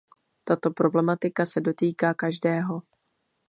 Tato problematika se dotýká každého.